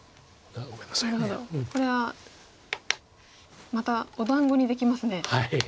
なるほどこれはまたお団子にできますね。